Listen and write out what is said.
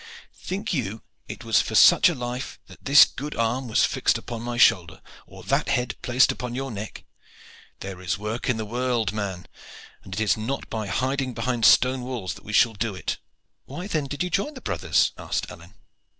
Think you it was for such a life that this good arm was fixed upon my shoulder, or that head placed upon your neck? There is work in the world, man, and it is not by hiding behind stone walls that we shall do it." "Why, then, did you join the brothers?" asked Alleyne.